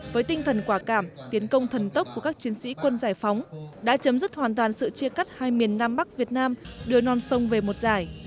với tinh thần quả cảm tiến công thần tốc của các chiến sĩ quân giải phóng đã chấm dứt hoàn toàn sự chia cắt hai miền nam bắc việt nam đưa non sông về một giải